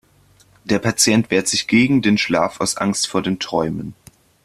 Der Patient wehrt sich gegen den Schlaf aus Angst vor den Träumen.